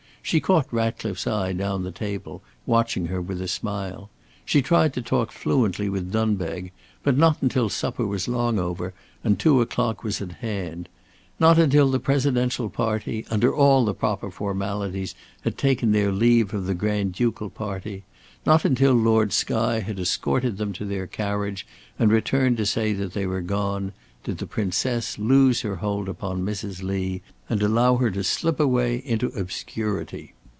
She caught Ratcliffe's eye down the table, watching her with a smile; she tried to talk fluently with Dunbeg; but not until supper was long over and two o'clock was at hand; not until the Presidential party, under all the proper formalities, had taken their leave of the Grand ducal party; not until Lord Skye had escorted them to their carriage and returned to say that they were gone, did the Princess loose her hold upon Mrs. Lee and allow her to slip away into obscurity.